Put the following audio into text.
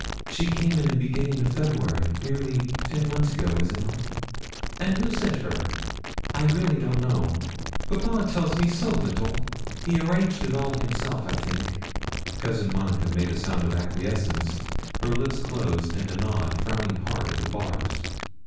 'She came in the beginning of February nearly ten months ago is not it?' 'And who sent her?' 'I really don't know; papa tells me so little he arranged it all himself, I think.' Cousin Monica made a sound of acquiescence her lips closed and a nod, frowning hard at the bars.